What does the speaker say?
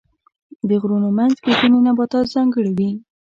د غرونو منځ کې ځینې نباتات ځانګړي وي.